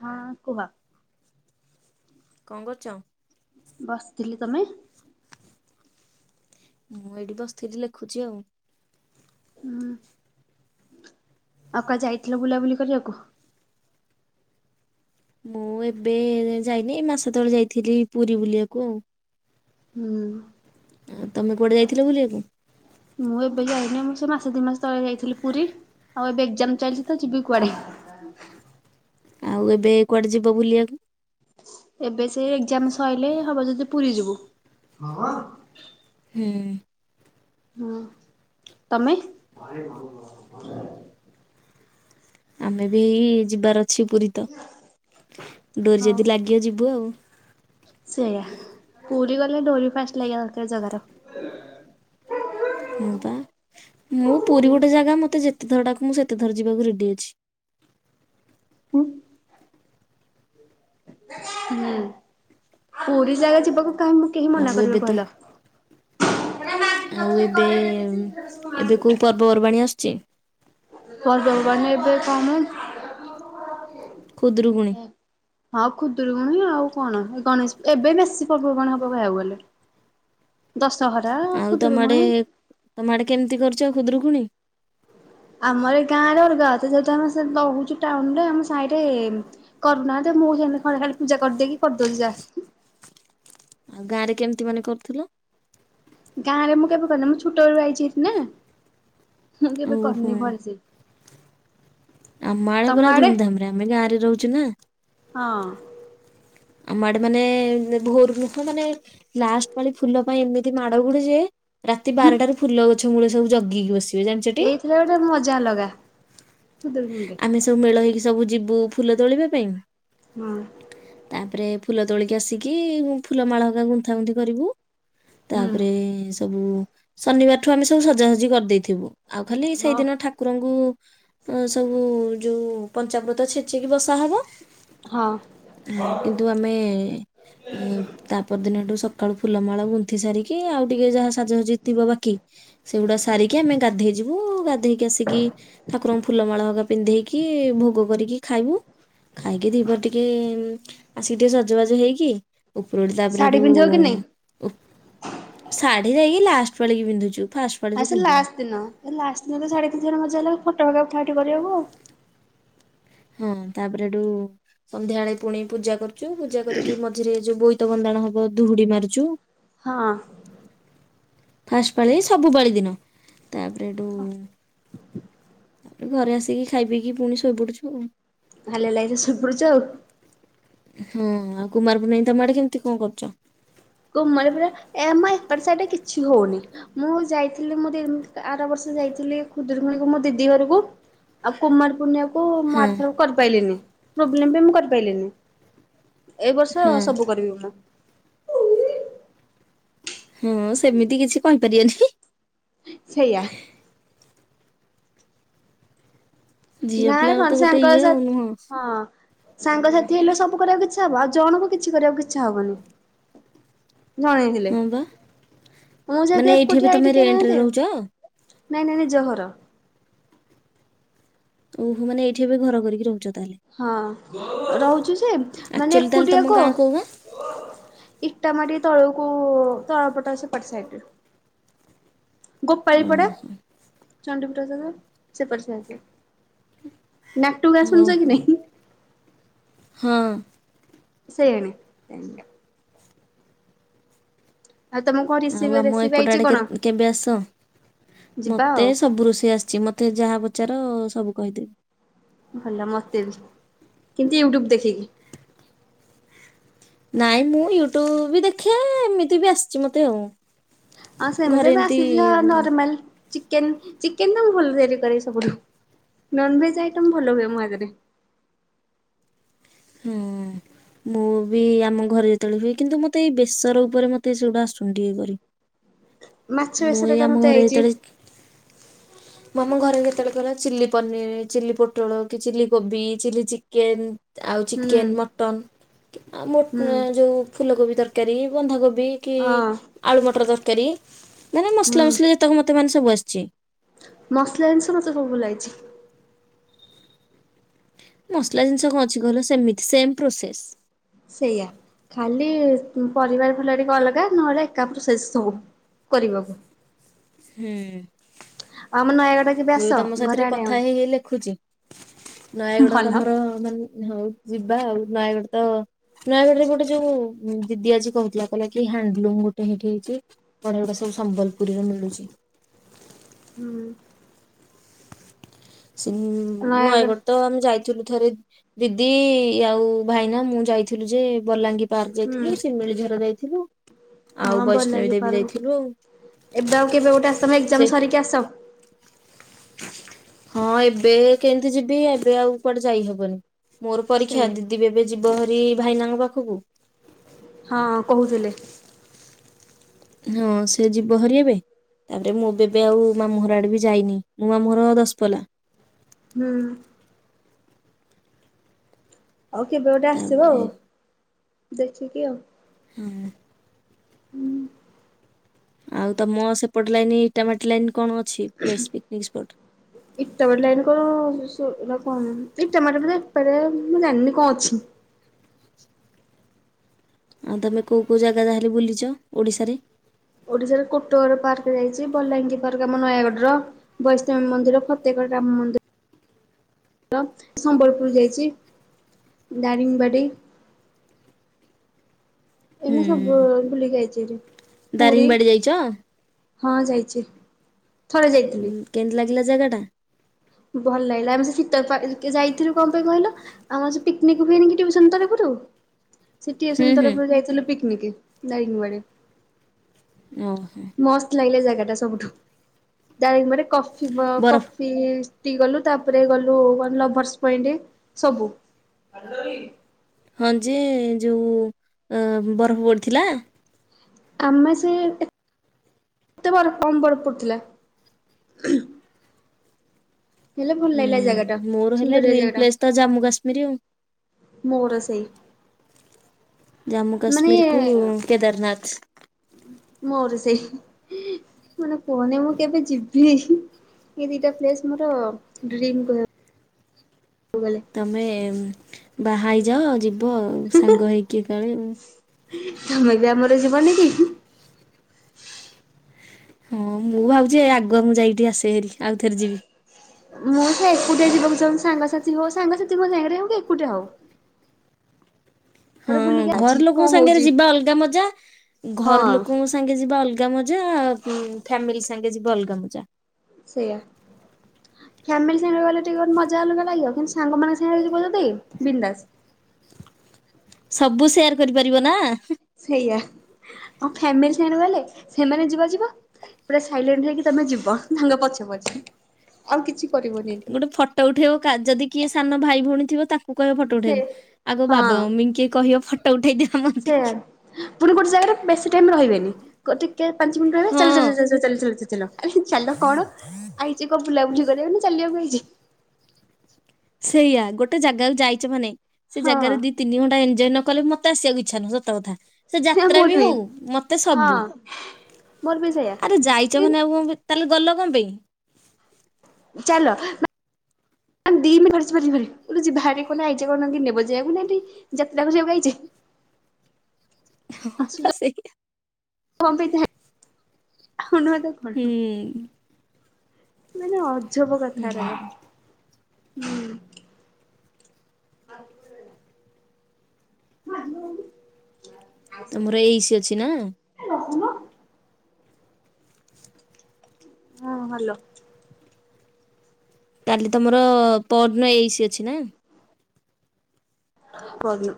ହଁ କୁହ। କଣ କରୁଚ? ବସିଥିଲେ ତମେ? ମୁଁ ଏଇଠି ବସିଥିଲି ଲେଖୁଚି ଆଉ। ହୁଁ ଆଉ କୁଆଡ଼େ ଯାଇଥିଲ ବୁଲାବୁଲି କରିବାକୁ? ମୁଁ ଏବେ ଯାଇନି। ଏ ମାସ ତଳେ ଯାଇଥିଲି ପୁରୀ ବୁଲିବାକୁ ଆଉ। ହୁଁ ଉଁ ତମେ କୁଆଡ଼େ ଯାଇଥିଲ ବୁଲିବାକୁ? ମୁଁ ଏବେ ଯାଇନି। ମୁଁ ସେ ମାସ ଦିଇ ମାସ ତଳେ ଯାଇଥିଲି ପୁରୀ। ଆଉ ଏବେ ଏକ୍ଜାମ୍ ଚାଲିଚି ତ ଯିବି କୁଆଡ଼େ? ଆଉ ଏବେ କୁଆଡ଼େ ଯିବ ବୁଲିବାକୁ? ଏବେ ସେ ଏକ୍ଜାମ୍ ସଇଲେ ହବ। ଯଦି ପୁରୀ ଯିବୁ [unintelligible] ହୁଁ। ହୁଁ ତମେ [unintelligible] ଆମେ ବି ହେଇ ଯିବାର ଅଛି ପୁରୀ। ତ ଡୋରି ହଉ ଯଦି ଲାଗିବ ଯିବୁ ଆଉ। ସେଇଆ, ପୁରୀ ଗଲେ ଡୋରି ଫାଷ୍ଟ ଲାଗିବା ଦରକାର ଜଗାର। ହଁ ପା ମୁଁ ପୁରୀ ଗୋଟେ ଜାଗା। ମତେ ଯେତେ ଥର ଡାକ ମୁଁ ସେତେଥର ଯିବାକୁ ରେଡି ଅଛି। ହୁଁ [unintelligible] ହୁଁ ପୁରୀ ଜାଗା ଯିବାକୁ କାମ। କେହି ଆଉ ମନା ଏବେ କରିବେ ତ କହିଲ? ଆଉ ଏବେ ଏବେ କୋଉ ପର୍ବପର୍ବାଣିୀ ଆସୁଛି? ପର୍ବ ପର୍ବାଣି ଏଵେ କମ ଖୁଦୁରୁକୁଣୀ। ହୁଁ। ହଁ ଖୁଦୁରୁକୁଣୀ ଆଉ କଣ ଗଣେଶ ପୂ ଏବେ ବେଶୀ ପର୍ବପର୍ବାଣୀ ହବ କହିବାକୁ ଗଲେ। [inaudible] ଦଶହରା। ଆଉ ତମ ଆଡେ ଖୁଦୁରୁକୁୁଣି। ତମ ଆଡେ କେମିତି କରୁଛ ଖୁଦରୁକୁଣୀ? ଆମର ଏ ଗାଁ ରେ ଅଲଗା ଯେହେତୁ ଆମେ ରହୁଛ ଟାଉନରେ ଆମ ସାହିରେ କରୁନାହାନ୍ତି ମୁଁ ହେମତି ଖାଲି ପୂଜା କରିଦେଇକି କରିଦୋଉଛି ଯା। ଆଉ ଗାଁ ରେ କେମିତି ମାନେ କରୁଥିଲ? ଗାଁରେ ମୁଁ କେବେ କରିନି ମୁଁ ଛୋଟବେଳୁ ଆଇଛିି ହାରି ନା। ମୁଁ କେବେ କରନି ଓହୋ। ଭଲସେ। ଆମ ଆଡେ ପୁରା ଧୁମଧାମ୍ ରେ ଆମେ ଗାଁ ରେ ରହୁଛୁ ନା। ହଁ। ଆମ ଆଡେ ମାନେ ଭୋରୁ ନୁହଁ ମାନେ ଲାଷ୍ଟ ପାଳି ଫୁଲ ପାଇଁ ଏମିତି ମାଡ ହୁଏ ଯେ ରାତି ବାରଟାରେ ଫୁଲ ଗଛ ମୂଳେ ସବୁ ଜଗିକି ବସିବେ ଜାଣିଛ ଟି। ସେ ଗୋଟେ ମଜା ଅଲଗା ଖୁଦୁରୁକୁଣୀ କି। ଆମେ ସବୁ ମେଳ ହେଇକି ସବୁ ଯିବୁ ଫୁଲ ତୋଳିବା ପାଇଁ। ହଁ। ତାପରେ ଫୁଲ ତୋଳିକି ଆସିକି ଫୁଲ ମାଳ ହେରିକା ଗୁନ୍ଥା ଗୁନ୍ଥି କରିବୁ। ହୁଁ ତାପରେ ସବୁ ଶନିବାରଠୁ ଆମେ ସବୁ ସଜାସଜି କରିଦେଇଥିବୁ। ଆଉ ଖାଲି ହଁ ସେଇଦିନ ଠାକୁରଙ୍କୁ ସବୁ ଯୋଉ ପଞ୍ଚାବୃତ ଛେ ଚିକି ବସା ହବ ହଁ କିନ୍ତୁ ଆମେ ତାପର ଦିନଠୁ ସକାଳୁ ଫୁଲମାଳ ଗୁନ୍ଥିି ସାରିକି ଆଉ ଟିକେ ଯାହା ସାଜସଜି ଥିବ ବାକି ସେଗୁଡା ସାରିକି ଆମେ ଗାଧେଇ ଯିବୁ ଗାଧେଇକି ଆସିକି ଠାକୁରଙ୍କୁ ଫୁଲମାଳ ହେରିକା ପିନ୍ଧେଇକି ଭୋଗ କରିକି ଖାଇବୁ ଖାଇକି ଦିପହରେ ଟିକେ ଆସିକି ଟିକେ ସଜବାଜ ହେଇକି ଉପର ଓଳି ତାପରେ ହେ ଶାଢୀ ଠୁ ପିନ୍ଧିବ କି ନାଇଁ? ଓ ଶାଢୀ ଯାଇକି ଲାଷ୍ଟ ପାଳି କି ପିନ୍ଧୁଚୁ ଫାଷ୍ଟ ପାଳିରୁ ଆଉ ସେ ପିନ୍ଧୁନୁ ଲାଷ୍ଟ ଦିନ ଏ ଲାଷ୍ଟ ଦିନ ଶାଢୀ ପିନ୍ଧିବା ର ମଜା ଅଲଗା ଫୋଟ ଫୋଟ ଉଠା ଉଠି କରିବାକୁ ଆଉ। ହଁ ତାପରେ ଏଠୁ ସନ୍ଧ୍ୟାବେଳେ ପୁଣି ପୂଜା କରୁଛୁ ପୂଜା କରିକି ମଝିରେ ଯ ବୋଇତ ବନ୍ଦାଣ ହବ ଧୁହୁଡି ମାରୁଛୁ। ହଁ। ଫାଷ୍ଟ ପାଳି ସବୁ ପାଳି ଦିନ ତାପରେ ହେଠୁ ତାପରେ ଘରେ ଆସିକି ଖାଇ ପିଇକି ପୁଣି ଶୋଇପଡୁଛୁ ଆଉ। ଭଲ ଲାଗିଲେ ଶୋଇପଡୁଛ ଆଉ। ହଁ ଆଉ କୁମାର ପୂର୍ଣ୍ଣମୀ ତମ ଆଡେ କେମିତି କଣ କରୁଚ? କୁମାର ପୁର୍ଣିମା ଏଇ ଆମ ଏପଟ ସାଇଟ୍ ରେ କିଛି ହୋ ଉନି। ମୁଁ ଯାଇଥିଲି ମୁଁ ଆର ବର୍ଷ ଯାଇଥିଲି ଖୁଦୁରୁକୁଣୀକୁ ମୋ ଦିଦି ଘରକୁ। ଆଉ କୁମାରପୂର୍ଣ୍ଣିମା କୁ ମୁ ହଁ ଆର ଥରକ କରିପାରଲିନି ପ୍ରୋବ୍ଲେମ୍ ପାଇଁ ମୁଁ କରିପାରଲିନି। ଏଇ ବର୍ଷ ହଁ ସବୁ କରିବି ପୁରା। ହଁ ସେମିତି କିଛି କହିପାରିବେନି। ସେଇୟା। ଝିଅ ଗାଁରେ ପିଲାଙ୍କର ତ କଣ ଗୋଟେ ସାଙ୍କ ଇଏ ଆଉ [unintelligible] ନୁହଁ ହଁ ସାଙ୍ଗସାଥି ହେଲେ ସବୁ କରିବାକୁ ଇଛା ହବ। ଆଉ ଜଣଙ୍କୁ କିଛି କରିବାକୁ ଇଚ୍ଛା ହବନି। ଜଣେ ହେଲେ ହଁ ବା। ମୁଁ ମାନେ ସେଠି ଏଇଠି ଏବେ ଏକୁଟିଆ ତମେ କେହି ରେଣ୍ଟ ରେ ନାହାନ୍ତି ଆ ରହୁଛ? ନାଇଁ ନାଇଁ ନାଇଁ ଜହର ଓହୋନେ ଏଇଠି ଏବେ ଘର କରିକି ରହୁଛ ତାହେଲେ ହଁ ରହୁଛୁ ସେ ମାନେ ଆକ୍ଚୁଆଲି ତାହେଲେ ତମ ଏକୁଟିଆ ଗାଁ କହ କୋଉ ଗାଁ? ଇଟା ମାଟି ତଳକୁ ତଳ ପଟା ସେ ପ ସାଇୁ ଗୋପାଳ ପଡା ଓହୋ ଚଣ୍ଡିପଠ ଯାଗ ସେପରି ସେ ଆକେ ନକ୍ଟୁ ଗାସଣ ଓହୋ କି ନ ହଁ ସେଇନା ଆଉ ତମ କଣ ଆଉ ରେସିପି ଆମ ରେସିପି ଏପଟ ଆଇଛି ଆଡ଼େ କଣ କେବେ ଆସ ଯିବା ଆଉ ମୋତେ ସବୁ ରୋଷେଇ ଆସ ମତେ ଯାହା ପଚାର ସବୁ କହିଦେବି ଭଲ ମତେ ବି କେମତି ୟୁଟ୍ୟୁବ ଦେଖିକି ନାଇଁ ମୁଁ ୟୁଟ୍ୟୁବ୍ ବି ଦେଖେ ଏମିତି ବି ଆସିଛି ମୋତେ ଆଉ ହଁ ସେମିତି ଘରେ ବି ଆସିଛି ଏମିତି ନର୍ମାଲ ଚେ ଚିକେନ ତ ମୁଁ ଭଲ ତିଆରି କରେ ସବୁ ନନଭେଜ ଆଇଟ ଭଲ ହୁଏ ମୋ ଆଜରେ ହଁ ମୁଁ ବି ଆମ ଘରେ ଯେତେବେଳେ ହୁଏ କିନ୍ତୁ ମତେ ଏଇ ବେସର ଉପରେ ମତେ ସେଗୁଟା ଆସୁଛନ୍ତି ଇଏ କରି ମାଛ ମୁଁ ବେସର ଏ ଟା ଆମ ମତେ ଘରେ ଆଇଛି ଯେତେବେଳେ ମୁଁ ଆମ ଘରେ ଯେତେବେଳେ କଲା ଚିଲି ପନିର ଚି ପୋଟଳ କି ଚିଲି କୋବି ଚି ଚିକେନ ଆଉ ହୁଁ ଚିକେନ୍ ମଟନ୍ ଆଉ ହୁଁ ଯେଉଁ ଫୁଲକୋବି ତରକାରୀ ବନ୍ଧାକୋବି କି ହଁ ଆଳୁ ମଟର ତରକାରୀ ମାନେ ହୁଁ ମସଲା ମସଲି ଯେତାକ ମତେ ମାନେ ସବୁ ଆସିଛି ମସଲା ଜିନିଷ ମତେ ସବୁ ଲାଗିଛି ମସଲା ଜିନିଷ କଣ ଅଛି କହିଲ ସେମିତି ସେମ୍ ପ୍ରୋସେସ୍ ସେଇଆା ଖାଲି ପରିବାର ଭଲ ଟିକେ ଅଲଗା ନହେଲେ ଏକାପରୁ ଶେଷ ସବ କରିବାକୁ ହୁଁ ଆମ ନୟାଗଡ଼ କେବେ ମୁଁ ଆସ ତମ ଘରେ ସାଥିରେ ଆଡେ କଥା ଆମର ହେଇକ ଲେଖୁଛି ନୟାଗଡ ଭଲ। ତମର ମାନେ ହଉ ଯିବା ଆଉ ନୟାଗଡ ତ ନୂୟ ବଡରେ ଗୋଟେ ଯୋଉ ଦିଦି ଆଜି କହୁଥିଲା କହିଲ କି ହ୍ୟାଣ୍ଡଲୁମ ଗୋଟେ ହେଇଠି ହେଇଛି ବଢା ସବୁ ସମ୍ବଲପୁରୀରେ ମିଳୁଛି [inaudible] ନୟାଗଡ଼ ତ ଆମେ ଯାଇଥିଲୁ ଥରେ ଦିଦି ଆଉ ଭାଇନା ମୁଁ ଯାଇଥିଲୁ ଯେ ବଲାଙ୍ଗୀର ବାହାରି ହୁଁ। ଯାଇଥିଲି ଶିମିଳିଝର ଯାଇଥିଲୁ ଆଉ ହଁ ଭଲ ବୈଷ୍ଣବୀ ଲାଗି ଦେବୀ ପାରବ ଯାଇଥିଲୁ ଆ ଏବେ ଆଉ କେବେ ଗୋଟେ ଆସ ତମେ ଏକ୍ଜାମ ସେଠ ସରିକି ଆସ ହଁ ଏବେ କେମିତି ଯିବି ଏବେ ଆଉ କୁଆଡେ ଯାଇହବନି ମୋର ପରୀକ୍ଷା ସେଇଆ। ିବେ ଏବେ ଯିବ ହରି ଭାଇନାଙ୍କ ପାଖକୁ ହଁ କହୁଥିଲେ ହଁ ସେ ଯିବ ହରି ଏବେ ତାପରେ ମୁଁ ଏବେ ଆଉ ମା ମହର ଆଡେ ବି ଯାଇନି ମୁଁ ମା ମହର ଦଶପଲା [inaudible] ହଉ କେବେ ଗୋଟେ ଆସିବ ତାପରେ ଆଉ ଦେଖିକି ଆଉ [inaudible] [inaudible] ଆଉ ତମ ସେପଟେ ଲାଇନ ଇଟାମାଟି ଲାଇନ କଣ ଅଛି ପ୍ ପିକନିକ ସ୍ପଟ ଇଟା ବାଲାଇନ କଣ କଣ ଇଟ ମ ବେ ଏଇପ ମୁ ଏ କଣ ଅଛିନି ଆଉ ତମେ କେଉଁ କେଉଁ ଜାଗା ଯାହେଲେ ବୁଲିଛ ଓଡ଼ିଶାରେ? ଓଡିଶାରେ କୋଟଗଡ ପାର୍କ ଯାଇଛି, ବଲାଙ୍ଗୀ ପାର୍କ ଆମ ନୟାଗଡ଼ର। ବୈଷ୍ଣବୀ ମନ୍ଦିର, ଫତେଗଡ ରାମ ମନ୍ଦିର ସମ୍ବଲପୁର ଯାଇଛି, ଦାରିଙ୍ଗବାଡି ଏଇନା ହୁଁ ସବୁ ବୁଲି ଯାଇଛିହେରି। ପୁରୀ ଦାରିଙ୍ଗବାଡି ଯାଇଛ? ହଁ ଯାଇଛି। ଥରେ ଯାଇଥିଲି କେମିତି ଲାଗିଲା ଜାଗାଟା? ଭଲ ଲାଗିଲା ଆମେ ସେ ଶୀତ ଯାଇଥିଲୁ କଣ ପାଇଁ କହିଲ? ଆମର ସେ ପିକନିକ୍ ହୁଏନି କି ତରଫରୁ ସେ ହୁଁ ଟିୟୁସନ ହୁଁ ତରଫରୁ ଯାଇଥିଲୁ ପିକନିକ ଦାରଙ୍ଗବାଡ଼ି। ଓହୋ। ମସ୍ତ ଲାଗିଲା ଜାଗା ଟା ସବୁଠୁ। ଦାରିଙ୍ଗବାଡି କଫିି କ ବରଫ ସେଠିକି ଗଲୁ ତାପରେ ଗଲୁ ଲଭର୍ସ ପଏଣ୍ଟ ସବୁ। [inaudible] ହଁ ଯେ ଯେଉଁ ବରଫ ପଡ଼ିଥିଲା? ଆମେ ସେ [inaudible] କମ୍ ବରଫ ପଡ଼ୁଥିଲା। ହେଲେ ଭଲ ହୁଁ ଲାଗିଲା ଏ ଜାଗାଟା ମୋର ହେଲା ସୁନ୍ଦରିଆ ଡ୍ରିମ୍ ଜାଗାଟା। ପ୍ଲେସ୍ ତ ଜାମ୍ମୁ କାଶ୍ମୀର ଆଉ ମୋର ସେଇ ଜାମ୍ମୁ କାଶ୍ମୀରକୁ କେଦାରନାଥ। ମୋର ସେଇ ମାନେ କୁହନି ମୁଁ କେବେ ଯିବି ଏ ଦିଟା ପ୍ଲେସ ମୋର ଡ୍ରିମ୍ କହିବାକୁ ଗଲେ। ତମେ ବାହା ହେଇଯାଅ ଯିବ ଆଉ ସାଙ୍ଗ ହେଇକି କାଳେ। ତମେ ବି ଆମର ଯିବନି କି? ହଁ ମୁଁ ଭାବୁଛି ଆଗୁଆ ମୁଁ ଯାଇକି ଆସେ ହେରି ଆଉ ଥରେ ଯିବି। ମୁଁ ସେ ଏକୁଟିଆ ଯିବାକୁ ଚାହୁଁଛି। ସାଙ୍ଗସାଥି ହଉ ସାଙ୍ଗସାଥିଙ୍କ ସାଙ୍ଗରେ ହଉ କି ଏକୁଟିଆ ହଉ। ହଁ କୁଆଡେ ବୁଲିକି ଆଜି ଘର ଲୋକଙ୍କ କଣ ସାଙ୍ଗରେ ହଉଛି ଯିବା ଅଲଗା ମଜା ଘର ହଁ ଲୋକଙ୍କ ସାଙ୍ଗେ ଯିବା ଅଲଗା ମଜା ଫ୍ୟାମିଲି ସାଙ୍ଗେ ଯିବ ଅଲଗା ମଜା। ସେଇୟା। ଫ୍ୟାମିଲି ସାଙ୍ଗରେ ଗଲେ ଟିକେ ଗୋଟେ ମଜା ଅଲଗା ଲାଗିବ କିନ୍ତୁ ସାଙ୍ଗମାନଙ୍କ ସାଙ୍ଗେ ଯିବ ଯଦି ବିନ୍ଦାସ। ସବୁ ସେୟାର କରିପାରିବ ନା? ସେଇଆ। ଆଉ ଫାମିଲି ସାଙ୍ଗରେ ଗଲେ ସେମାନେ ଯିବା ଯିବା ପୁରା ସାଇଲେଣ୍ଟ ହେଇକି ତମେ ଯିବ ତାଙ୍କ ପଛେ ପଛେ। ଆଉ କିଛି କରିବନି ଏଠି ଗୋଟେ ଫଟୋ ଉଠେଇବ ଯଦି କିଏ ସାନ ଭାଇ ଭଉଣୀ ଥିବ ତାକୁ କହିବ ଫଟୋ ସେ ଉଠେଇବୁ ଆଗ ହଁ ବାବା ମମି ଙ୍କୁ କିଏ କହିବ ଫଟୋ ଉଠେଇ ଦିଅ। ସେଇଆ ପୁଣି ଗୋଟେ ଜାଗାରେ ବେଶୀ ଟାଇମ ରହିବେନି। ଟିକେ ପାଞ୍ଚ ମିନିଟ୍ ରହିବେ ଚାଲ ଚାଲ ହଁ। ଚାଲ ଚାଲ ଚାଲ ଚାଲ ଆରେ ଚାଲ କଣ ଆଇଛି କଣ ବୁଲାବୁଲି କରିବାକୁ ନା ଚାଲିବାକୁ ଆଇଛି। ସେଇଆ ଗୋଟେ ଜାଗାକୁ ଯାଇଛ ମାନେ ସେ ହଁ ଜାଗାରେ ଦି ତିନି ଘଣ୍ଟା ଏଞ୍ଜୟ ନ କଲେ ମତ ଆସିବାକୁ ଇଚ୍ଛା ନାହିଁ ସତ କଥା। ସେ ସେଇଆ ଯାତ୍ରା ମୋର ବି ହଉ ମତେ ହଁ ସବୁ, ମୋର ବି ସେଇଆ ଆରେ ଯାଇଛ କି ମାନେ ଆଉ କଣ ତାହେଲେ ଗଲ କଣ ପାଇଁ? ଚାଲ ଆ ଦି ମିନିଟ [unintelligible] ବାହାରି କଣ ଆଇଛ କଣ ନେବ ଯିବାକୁ ନା। [unintelligible] ବାସ୍ ଏଇ କଁ ପାଇଁ [unintelligible] ହୁଁ। ମାନେ ଅଜବ ହୁଁ କଥାରେ ହୁଁ। [unintelligible] [unintelligible] ତମର ଏଇଶି ଅଛିନା? ଏ ରହୁନ ହଁ ହାଲୋ। ତାହେଲେ ତମର ପରଦିନ ଏଇ ସି ଅଛିନା? ପଦିନ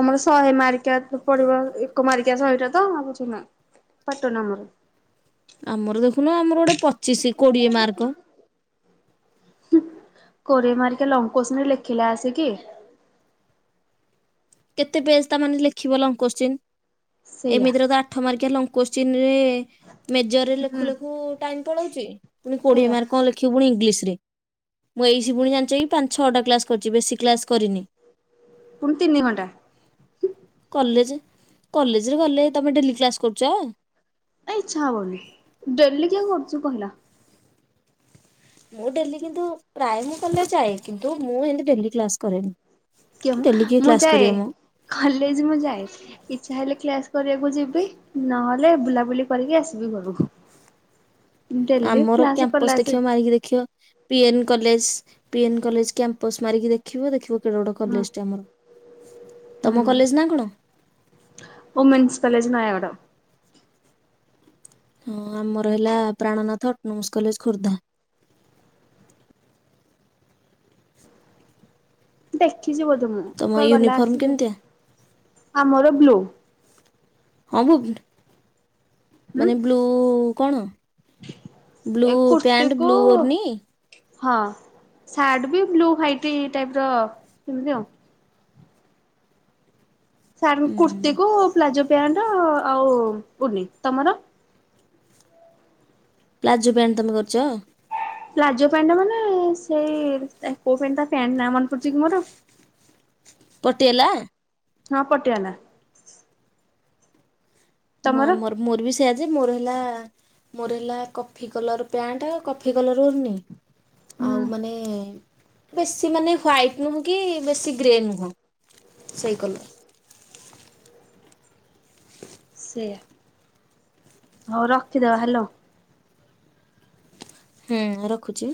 ଆମର ଶହେ ମାର୍କିଆ ପଡ଼ିବ ଏକ ମାର୍କିଆ ଶହେଟାତ ଆ [unintelligible] ପଟାନାଆମର ଆମର ଦେଖୁନୁ ଆମର ଗୋଟେ ପଚିଶି କୋଡ଼ିଏ ମାର୍କ କୋଡ଼ିଏ ମାର୍କିଆ ଲଙ୍ଗ କୋସ୍ଚିନ୍ ଲେଖିଲା ଆସିକି? କେତେ ପେଜ ତାମାନେ ଲେଖିବ ଲଙ୍ଗ କୋଶ୍ଚିନ୍ ସେଇଆ ଏମିତିରେତ ଆଠ ମାର୍ଗିଆ ଲଙ୍ଗ କୋଶ୍ଚିିନରେ ମେଜରରେ ହୁଁ ଲେଖୁ ଲେଖୁ ଟାଇମ ପଳାଉଚି ପୁଣି କୋଡ଼ିଏ ସେଇଆ ମାର୍କ କଣ ଲେ ଲଖିବ ପୁଣି ଇଂଲିଶରେ ମୁଁ ଏଇ ସି ପୁଣି ଜାଣିଚକି ପାଞ୍ଚ ଛଅଟା କ୍ଲାସ୍ କରିଚି ବେଶୀ କ୍ଲାସ୍ କରିନି। ପୁଣି ତିନି ଘଣ୍ଟା। କଲେଜ୍ କଲେଜରେ ଗଲେ ତମେ ଡେଲି କ୍ଲାସ୍ କରୁଚ? ନା ଇଚ୍ଛା ହବନି ଡେଲି କିଏ କରୁଚି କହିଲା? ମୁଁ ଡେଲି କିନ୍ତୁ ପ୍ରାୟ ମୁଁ କଲେଜ୍ ଯାଏ କିନ୍ତୁ ମୁଁ ହେନ୍ତି ଡେଲି କ୍ଲାସ୍ କରେନି। ଡେଲି କିଏ କ୍ଲାସ୍ କରିବ ମୋ। କଲେଜ୍ ମୁଁ ଯାଏ। ଇଚ୍ଛା ହେଲେ କ୍ଲାସ୍ କରିବାକୁ ଯିବି ନହେଲେ ବୁଲାବୁଲି କରିକି ଆସିବି ଘରକୁ। ଡେଲି ଆମର କ୍ଲାସ କ୍ୟାମ୍ପସ କଲା ସେ ଦେଖିବ ମାରିକି ଦେଖିବ PN college PN college campus ମାରିକି ଦେଖିବ ଦେଖିବ କେଡ଼େ ବଡ଼ ହଁ କଲେଜଟେ ଆମର ତମ ହୁଁ କଲେଜ୍ ନାଁ କଣ? Women's college Nayagarh. ହଁ ଆମର ହେଲା ପ୍ରାଣନାଥ ଅଟୋନାମସ କଲେଜ୍ ଖୋର୍ଦ୍ଧା। ଦେଖିଚି ବୋଧେ ମୁଁ ତମ ୟୁନିଫର୍ମ କେମିତିଆ? [unintelligible] ଆମର ବ୍ଲୁ। ହଁ ଭୁ ହୁଁ ମାନେ ବ୍ଲୁ କଣ ବ୍ଲୁ ଏ କୁର୍ତ୍ତିୀ ପ୍ୟାଣ୍ଟ କୁ ବ୍ଲୁ ଓନି? ହଁ ସାର୍ଟବି ବ୍ଲୁ ହ୍ୱାଇଟି ଟାଇପର ଏମିତି ଆଉ। ସାର୍ କୁର୍ତ୍ତିୀକୁ ପ୍ଲାଜୋ ପ୍ୟାଣ୍ଟ ଆଉ ଉନି ତମର? ପ୍ଲାଜୋ ପ୍ୟାଣ୍ଟ ତମେ କରିଚ? ପ୍ଲାଜୋ ପ୍ୟାଣ୍ଟ ମାନେ ସେଇ କୋଉ ପ୍ୟାଣ୍ଟ ପ୍ୟାଣ୍ଟ ନା ମନେ ପଡ଼ୁଚିକି ମୋର। ପଟିଆଲା? ହଁ ପଟିଆଲା। ମୁଁ ତମର ଆମର ମୋରବି ସେୟାଯେ ମୋର ହେଲା ମୋର ହେଲା କଫି କଲର୍ ପ୍ୟାଣ୍ଟ୍ ଆଉ କଫି କଲର୍ ଉର୍ନି ଆଉ ହୁଁ ମାନେ ବେଶୀ ମାନେ ହ୍ଵାଇଟ୍ ନୁହଁକି ବେଶୀ ଗ୍ରେ ନୁହଁ ସେଇ କଲର୍। ସେଆ ହଉ ରଖିଦବା ହାଲୋ। ହୁଁ ରଖୁଚି।